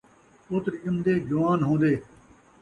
پتر ڄمدے جوان ہوندے